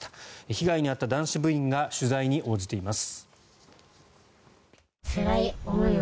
被害に遭った男子部員が取材に応じています。